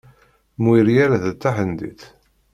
Muiriel d tahendit.